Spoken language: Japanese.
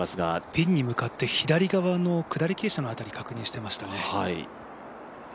ピンに向かって左側の下り傾斜の辺り確認していましたね。